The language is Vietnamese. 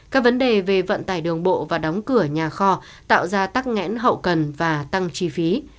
các vấn đề về vận tải đường bộ và đóng cửa nhà kho tạo ra tắc ngẽn hậu cần và tăng chi phí